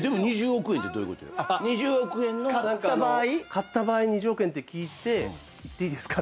買った場合２０億円って聞いて言っていいですか？